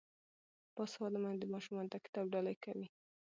باسواده میندې ماشومانو ته کتاب ډالۍ کوي.